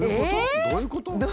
どういうこと？